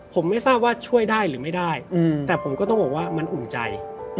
ผมไม่ทราบว่าช่วยได้หรือไม่ได้แต่ผมก็ต้องบอกว่ามันอุ่นใจ